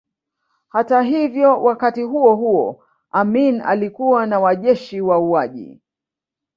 Hata hivyo wakati huo huo Amin alikuwa na wajeshi wauaji